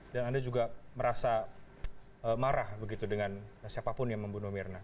dan anda juga merasa marah begitu dengan siapapun yang membunuh mirna